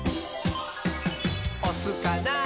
「おすかな？